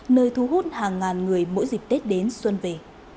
nơi thu hút hàng ngàn người mỗi dịp tết đến xuân về